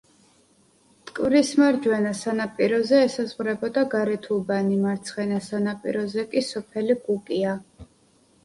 მტკვრის მარჯვენა სანაპიროზე ესაზღვრებოდა გარეთუბანი, მარცხენა სანაპიროზე კი სოფელი კუკია.